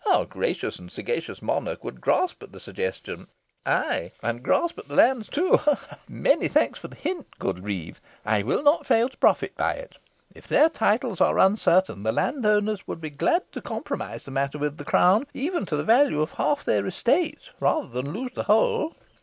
"Our gracious and sagacious monarch would grasp at the suggestion, ay, and grasp at the lands too ha! ha! Many thanks for the hint, good reeve. I will not fail to profit by it. If their titles are uncertain, the landholders would be glad to compromise the matter with the crown, even to the value of half their estates rather than lose the whole."